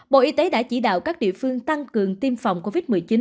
bộ y tế đã chỉ đạo các địa phương tăng cường tiêm phòng covid một mươi chín